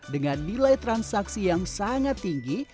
dengan nilai transaksi yang sangat tinggi